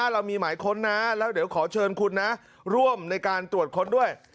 เรามีหมายค้นนะแล้วเดี๋ยวขอเชิญคุณนะร่วมในการตรวจค้นด้วย